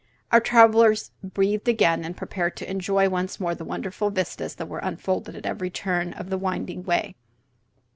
Our travellers breathed again, and prepared to enjoy once more the wonderful vistas that were unfolded at every turn of the winding way.